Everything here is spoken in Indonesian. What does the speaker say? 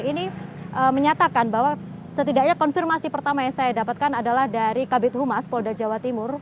ini menyatakan bahwa setidaknya konfirmasi pertama yang saya dapatkan adalah dari kabit humas polda jawa timur